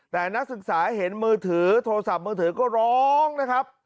แต่นักศึกษาเห็นมือถือโทรศัพท์มือถือก็ร้องนะครับ